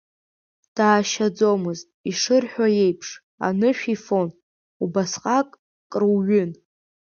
Даашьаӡомызт, ишырҳәо еиԥш, анышә ифон, убасҟак круҩын.